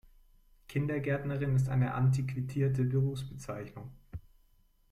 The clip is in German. Kindergärtnerin ist eine antiquierte Berufsbezeichnung.